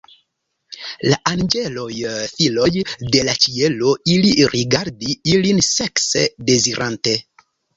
La anĝeloj, filoj de la ĉielo, ili rigardi ilin sekse dezirante.